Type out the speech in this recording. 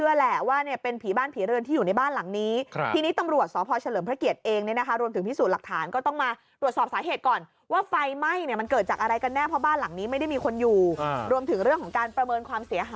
เราทำเป็นร่างแดงให้คุณผู้ชมได้ดูด้วยนี่